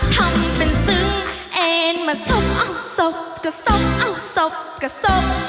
ทำเป็นซึงแอร์ดมาสบอ้อสบก็ซบอ้อสบก็สบ